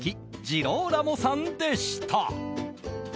ジローラモさんでした。